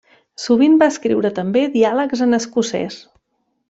Sovint va escriure també diàlegs en escocès.